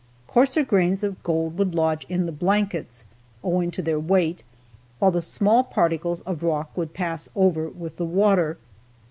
Coarser grains of gold would lodge in the blankets, owing to their weight, while the small particles of rock would pass over with the water.